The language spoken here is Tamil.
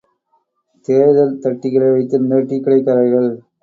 தேர்தல் தட்டிகளை வைத்திருந்த டீக்கடைக்காரர்கள்.